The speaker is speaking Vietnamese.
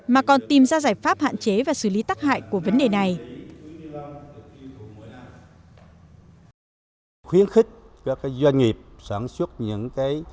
mà còn tìm ra giải pháp hạn chế và xử lý tắc hại của vấn đề này